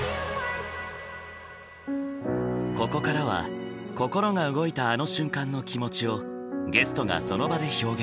ここからは心が動いたあの瞬間の気持ちをゲストがその場で表現。